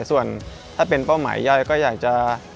ส่วนถ้าเป็นเป้าหมายยายก็อยากจะ